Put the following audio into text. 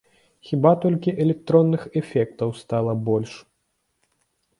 Хіба толькі электронных эфектаў стала больш.